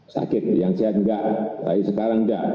sakit yang sehat enggak tapi sekarang enggak